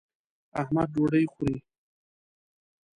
احمد ډوډۍ خوري.